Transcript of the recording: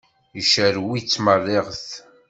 Icerrew-itt meṛṛiɣet.